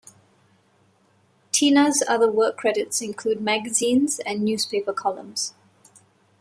Tina's other work credits include magazine and newspaper columns.